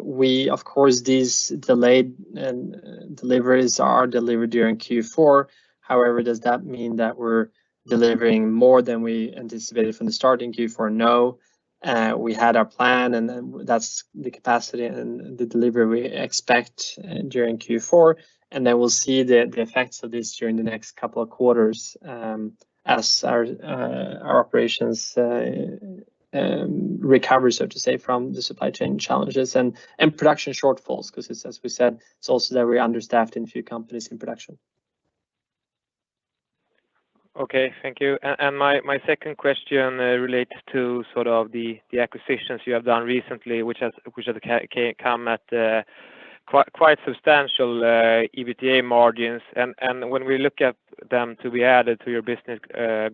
of course these delayed deliveries are delivered during Q4. However, does that mean that we're delivering more than we anticipated from the start in Q4? No. We had our plan, and then that's the capacity and the delivery we expect during Q4, and then we'll see the effects of this during the next couple of quarters as our operations recover, so to say, from the supply chain challenges and production shortfalls 'cause it's, as we said, it's also that we're understaffed in a few companies in production. Okay, thank you. My second question relates to sort of the acquisitions you have done recently, which has come at quite substantial EBITDA margins. When we look at them to be added to your business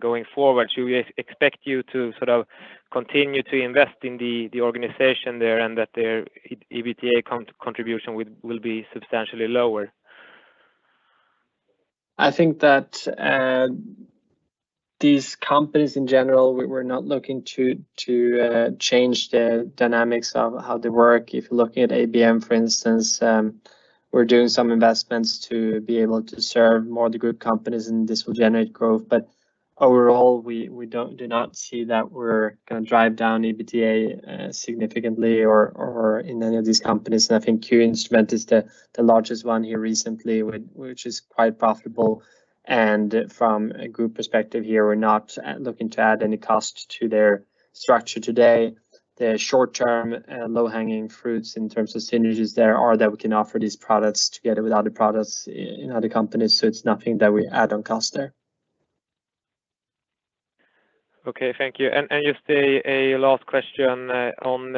going forward, should we expect you to sort of continue to invest in the organization there and that their EBITDA contribution will be substantially lower? I think that these companies in general, we're not looking to change the dynamics of how they work. If you're looking at ABM, for instance, we're doing some investments to be able to serve more of the group companies, and this will generate growth. Overall, we do not see that we're gonna drive down EBITDA significantly or in any of these companies. I think QINSTRUMENTS is the largest one here recently, which is quite profitable. From a group perspective here, we're not looking to add any cost to their structure today. The short term low-hanging fruits in terms of synergies there are that we can offer these products together with other products in other companies, so it's nothing that we add on cost there. Okay, thank you. Just a last question on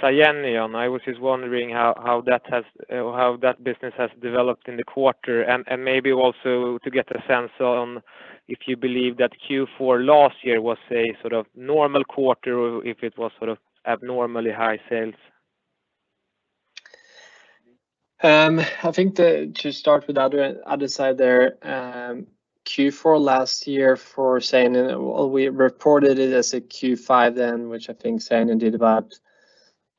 Cellenion. I was just wondering how that has, or how that business has developed in the quarter and maybe also to get a sense on if you believe that Q4 last year was a sort of normal quarter or if it was sort of abnormally high sales. I think Q4 last year for Cellenion, well, we reported it as a Q5 then, which I think Cellenion did about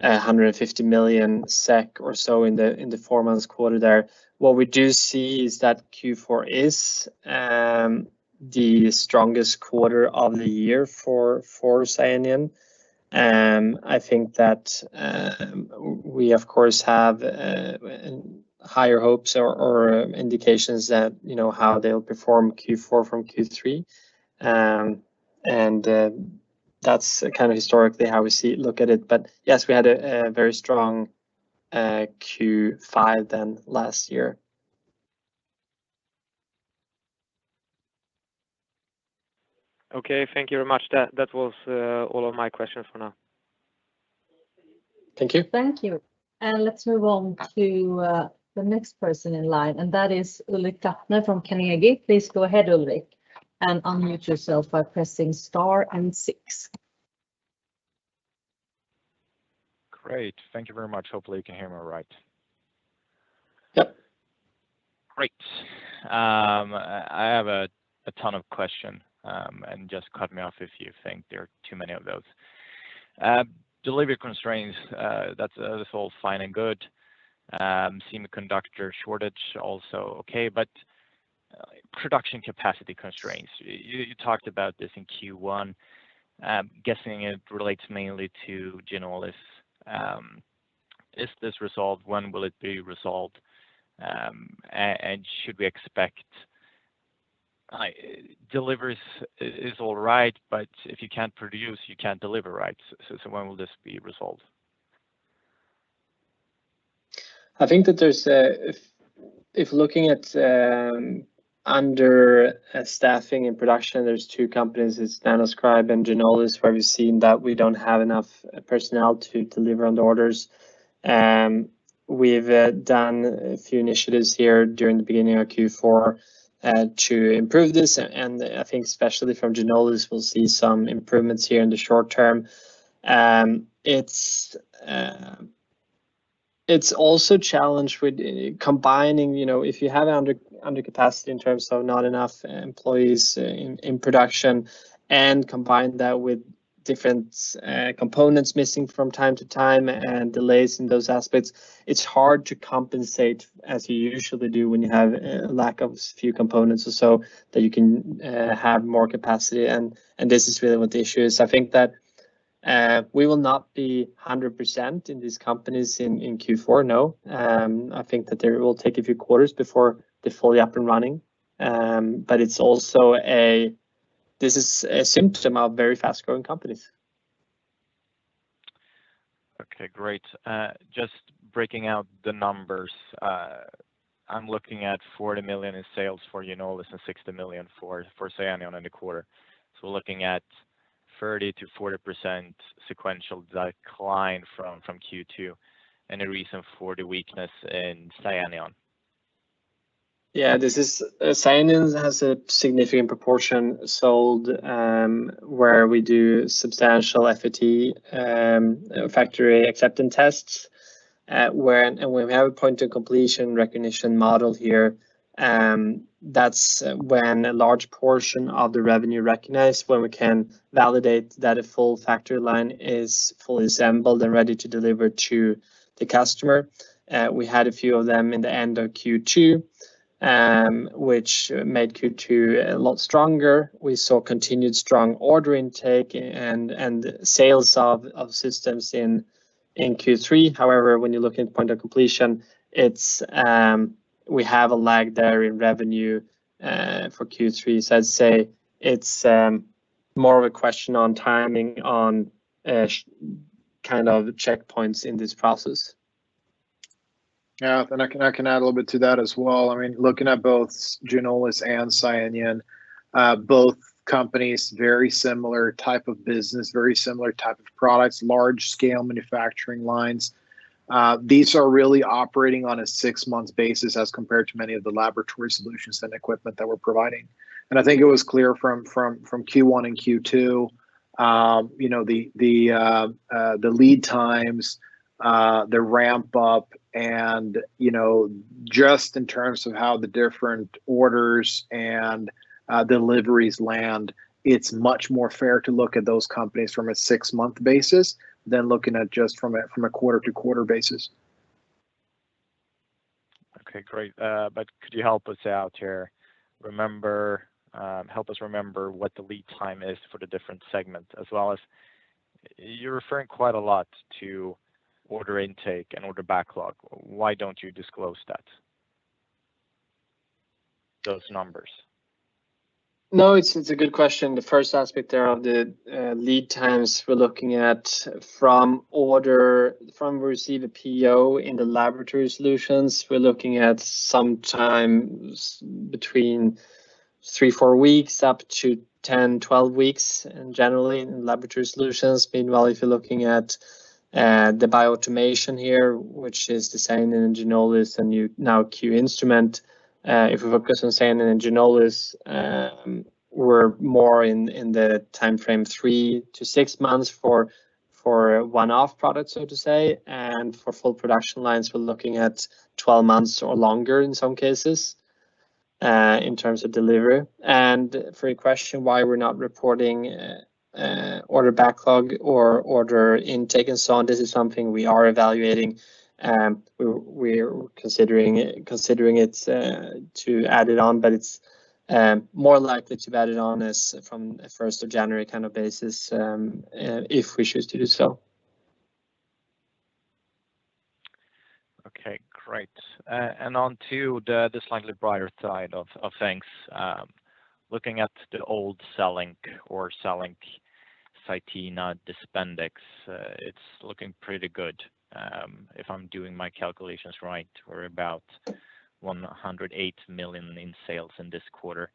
150 million SEK or so in the four months quarter there. What we do see is that Q4 is the strongest quarter of the year for Cellenion. I think that we, of course, have higher hopes or indications that, you know, how they'll perform Q4 from Q3. That's kind of historically how we look at it. Yes, we had a very strong Q5 in last year. Okay, thank you very much. That was all of my questions for now. Thank you. Thank you. Let's move on to the next person in line, and that is Ulrik Trattner from Carnegie. Please go ahead, Ulrik, and unmute yourself by pressing star and six. Great. Thank you very much. Hopefully, you can hear me all right. Yep. Great. I have a ton of questions, and just cut me off if you think there are too many of those. Delivery constraints, that's all fine and good. Semiconductor shortage also okay, but production capacity constraints, you talked about this in Q1. I'm guessing it relates mainly to Ginolis. Is this resolved? When will it be resolved? And should we expect deliveries is all right, but if you can't produce, you can't deliver, right? When will this be resolved? I think that if looking at understaffing and production, there are two companies, Nanoscribe and Ginolis, where we've seen that we don't have enough personnel to deliver on the orders. We've done a few initiatives here during the beginning of Q4 to improve this, and I think especially from Ginolis, we'll see some improvements here in the short term. It's also challenged with combining, you know, if you have under capacity in terms of not enough employees in production and combine that with different components missing from time to time and delays in those aspects, it's hard to compensate as you usually do when you have a lack of a few components or so that you can have more capacity, and this is really what the issue is. I think that we will not be 100% in these companies in Q4, no. I think that they will take a few quarters before they're fully up and running. It's also a symptom of very fast-growing companies. Okay, great. Just breaking out the numbers, I'm looking at 40 million in sales for Ginolis and 60 million for CYTENA in the quarter. We're looking at 30%-40% sequential decline from Q2. Any reason for the weakness in CYTENA? Yeah, this is, CYTENA has a significant proportion sold, where we do substantial FAT, factory acceptance tests. When we have a percentage of completion recognition model here, that's when a large portion of the revenue recognized, when we can validate that a full factory line is fully assembled and ready to deliver to the customer. We had a few of them in the end of Q2, which made Q2 a lot stronger. We saw continued strong order intake and sales of systems in Q3. However, when you look at percentage of completion, it's we have a lag there in revenue for Q3. I'd say it's more of a question on timing on kind of checkpoints in this process. Yeah. I can add a little bit to that as well. I mean, looking at both Ginolis and CYTENA, both companies, very similar type of business, very similar type of products, large scale manufacturing lines. These are really operating on a six-month basis as compared to many of the laboratory solutions and equipment that we're providing. I think it was clear from Q1 and Q2, you know, the lead times, the ramp up and, you know, just in terms of how the different orders and deliveries land, it's much more fair to look at those companies from a six-month basis than looking at just from a quarter to quarter basis. Okay, great. Could you help us out here? Help us remember what the lead time is for the different segments, as well as you're referring quite a lot to order intake and order backlog. Why don't you disclose that? Those numbers. No, it's a good question. The first aspect there of the lead times we're looking at from receive a PO in the laboratory solutions, we're looking at some times between three to four weeks up to 10-12 weeks in general in laboratory solutions. Meanwhile, if you're looking at the bioautomation here, which is the same in Ginolis, and you know QINSTRUMENTS, if we focus on sales in Ginolis, we're more in the timeframe three to six months for a one-off product, so to say, and for full production lines, we're looking at 12 months or longer in some cases in terms of delivery. For your question, why we're not reporting order backlog or order intake and so on, this is something we are evaluating. We're considering it to add it on, but it's more likely to add it on as from January 1st, kind of basis, if we choose to do so. Okay, great. On to the slightly brighter side of things, looking at the overall sales of CYTENA, DISPENDIX, it's looking pretty good. If I'm doing my calculations right, we're about 108 million in sales in this quarter.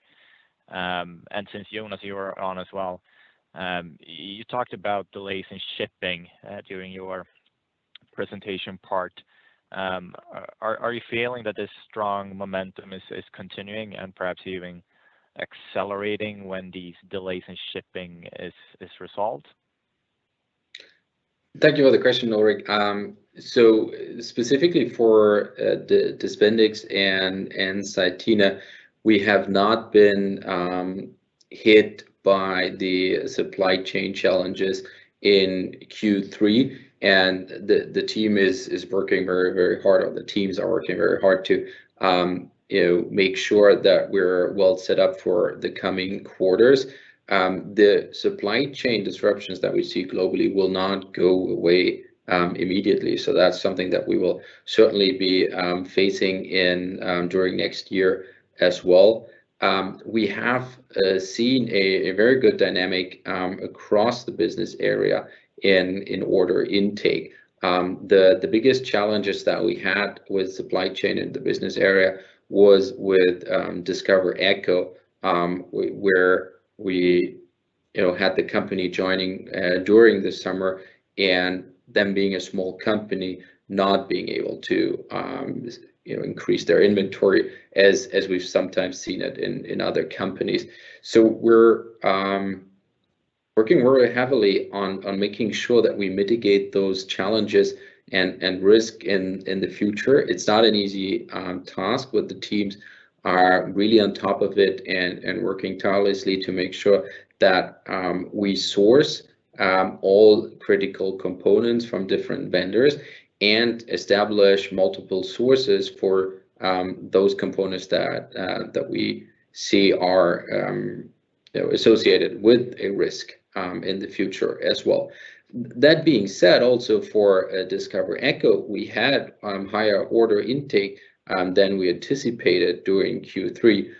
Since Jonas, you were on as well, you talked about delays in shipping during your presentation part. Are you feeling that this strong momentum is continuing and perhaps even accelerating when these delays in shipping is resolved? Thank you for the question, Ulrik. Specifically for DISPENDIX and CYTENA, we have not been hit by the supply chain challenges in Q3, and the teams are working very hard to you know, make sure that we're well set up for the coming quarters. The supply chain disruptions that we see globally will not go away immediately. That's something that we will certainly be facing during next year as well. We have seen a very good dynamic across the business area in order intake. The biggest challenges that we had with supply chain in the business area was with Discover Echo, where we, you know, had the company joining during the summer, and them being a small company not being able to, you know, increase their inventory as we've sometimes seen it in other companies. We're working really heavily on making sure that we mitigate those challenges and risk in the future. It's not an easy task, but the teams are really on top of it and working tirelessly to make sure that we source all critical components from different vendors and establish multiple sources for those components that we see are, you know, associated with a risk in the future as well. That being said, also for Discover Echo, we had higher order intake than we anticipated during Q3,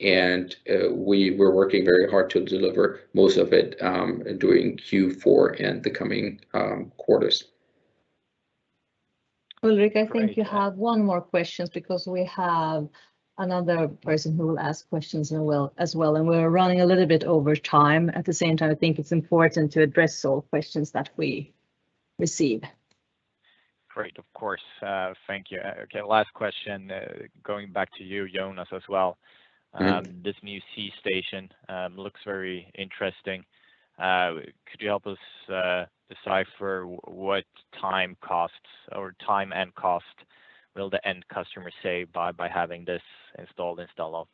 and we were working very hard to deliver most of it during Q4 and the coming quarters. Ulrik, I think you have one more question because we have another person who will ask questions in a while as well, and we're running a little bit over time. At the same time, I think it's important to address all questions that we receive. Great. Of course. Thank you. Okay, last question, going back to you, Jonas, as well. This new C.STATION looks very interesting. Could you help us decipher what time costs, or time and cost will the end customer save by having this installed instead of?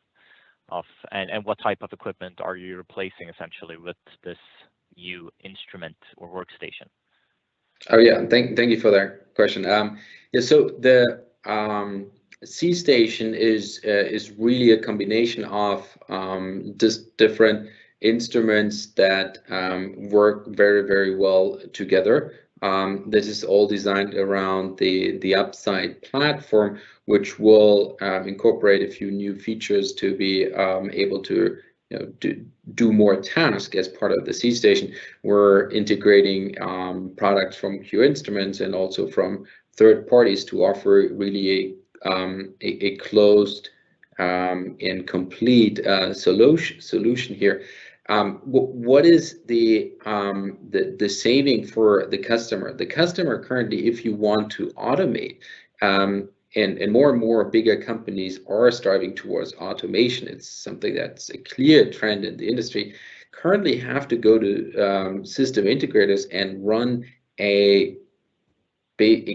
What type of equipment are you replacing essentially with this new instrument or workstation? Oh, yeah. Thank you for that question. Yeah, so the C.STATION is really a combination of just different instruments that work very well together. This is all designed around the UP.SIGHT platform, which will incorporate a few new features to be able to, you know, do more tasks as part of the C.STATION. We're integrating products from QINSTRUMENTS, and also from third parties to offer really a closed and complete solution here. What is the saving for the customer? The customer currently, if you want to automate, and more and more bigger companies are striving towards automation, it's something that's a clear trend in the industry, currently have to go to system integrators and run a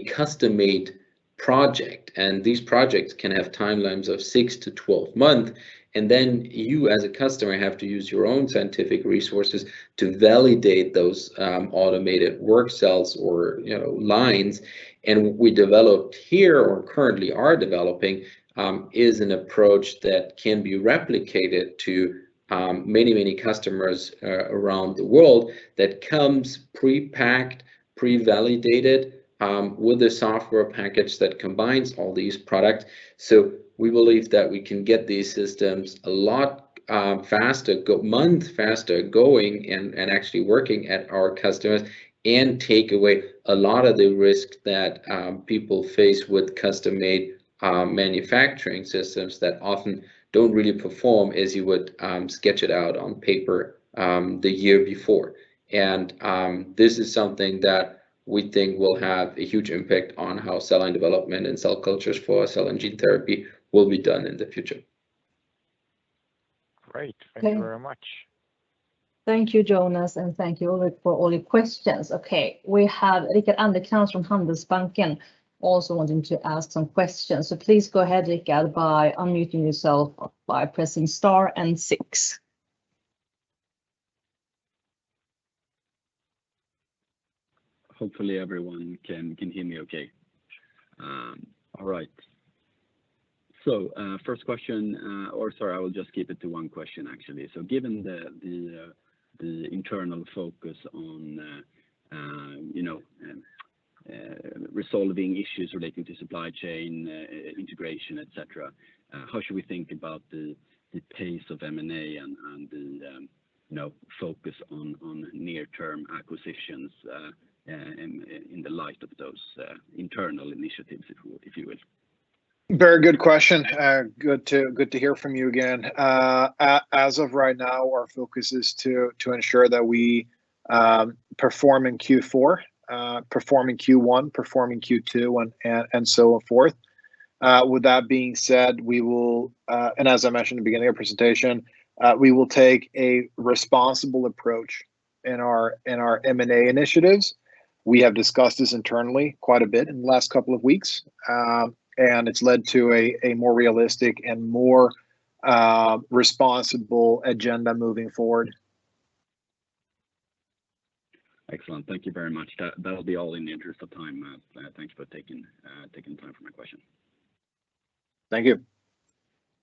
custom-made project, and these projects can have timelines of six to 12 months. Then you, as a customer, have to use your own scientific resources to validate those automated workcells, or you know lines. We currently are developing an approach that can be replicated to many customers around the world that comes pre-packed, pre-validated, with a software package that combines all these products. We believe that we can get these systems a lot faster, one month faster going, and actually working at our customers, and take away a lot of the risk that people face with custom-made manufacturing systems that often don't really perform as you would sketch it out on paper, the year before. This is something that we think will have a huge impact on how cell line development and cell cultures for cell and gene therapy will be done in the future. Great. Thank- Thank you very much. Thank you, Jonas, and thank you Ulrik for all your questions. Okay, we have Rickard Anderkrans from Handelsbanken also wanting to ask some questions. Please go ahead, Rickard, by unmuting yourself by pressing star and six. Hopefully everyone can hear me okay. All right. First question, or sorry, I will just keep it to one question, actually. Given the internal focus on resolving issues relating to supply chain integration, et cetera, how should we think about the pace of M&A and the focus on near-term acquisitions in the light of those internal initiatives, if you will? Very good question. Good to hear from you again. As of right now, our focus is to ensure that we perform in Q4, Q1, Q2, and so forth. With that being said, and as I mentioned at the beginning of the presentation, we will take a responsible approach in our M&A initiatives. We have discussed this internally quite a bit in the last couple of weeks, and it's led to a more realistic and more responsible agenda moving forward. Excellent. Thank you very much. That, that'll be all in the interest of time. Thanks for taking time for my question. Thank you.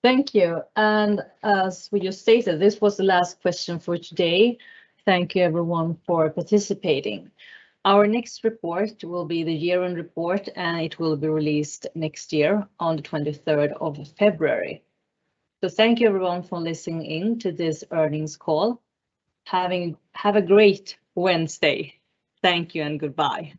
Thank you. As we just stated, this was the last question for today. Thank you everyone for participating. Our next report will be the year-end report, and it will be released next year on the February 23rd. Thank you everyone for listening to this earnings call. Have a great Wednesday. Thank you and goodbye.